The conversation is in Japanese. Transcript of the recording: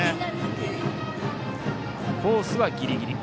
コースはギリギリ。